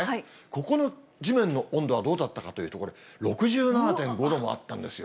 ここの地面の温度はどうだったかというところで、６７．５度もあったんですよ。